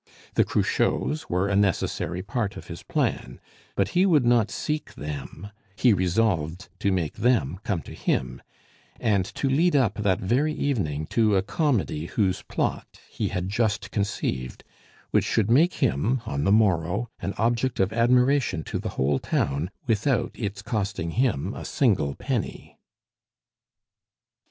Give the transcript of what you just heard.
The Cruchots were a necessary part of his plan; but he would not seek them, he resolved to make them come to him, and to lead up that very evening to a comedy whose plot he had just conceived, which should make him on the morrow an object of admiration to the whole town without its costing him a single penny.